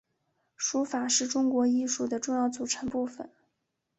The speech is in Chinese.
书法是中国艺术的重要组成部份。